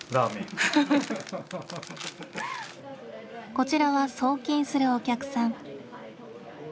こちらは送金するお客さん。